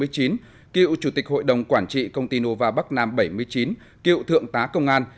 cựu chủ tịch hội đồng quản trị công ty nova bắc nam bảy mươi chín cựu thượng tá công an